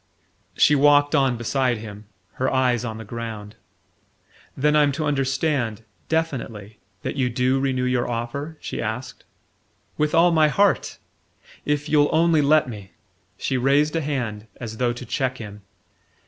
She walked on beside him, her eyes on the ground. "Then I'm to understand definitely that you DO renew your offer?" she asked "With all my heart! If you'll only let me " She raised a hand, as though to check him.